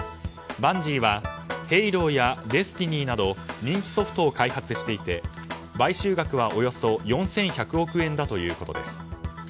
バンジーは「ヘイロー」や「Ｄｅｓｔｉｎｙ」など人気ソフトを開発していて買収額はおよそ４１００億円だということです。